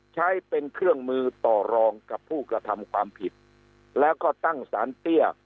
ใช้เป็นเครื่องมือต่อรองกับผู้กระทำความผิดแล้วก็ตั้งสารเตี้ย